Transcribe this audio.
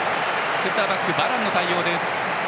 センターバックのバランの対応。